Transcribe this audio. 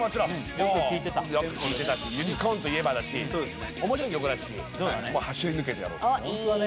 よく聴いてたしユニコーンといえばだし面白い曲だし走り抜けてやろうと思っておっいいですね